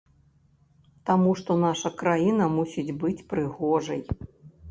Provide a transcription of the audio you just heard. Таму што наша краіна мусіць быць прыгожай.